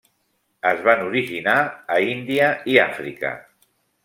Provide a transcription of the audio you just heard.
Es van originar a Índia i Àfrica.